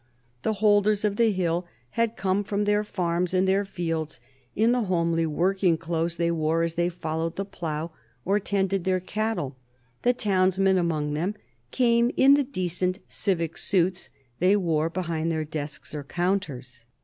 The holders of the hill had come from their farms and their fields in the homely working clothes they wore as they followed the plough or tended their cattle; the townsmen among them came in the decent civic suits they wore behind their desks or counters.